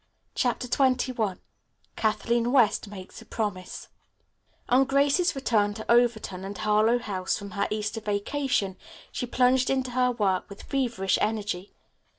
CHAPTER XXI KATHLEEN WEST MAKES A PROMISE On Grace's return to Overton and Harlowe House from her Easter vacation she plunged into her work with feverish energy.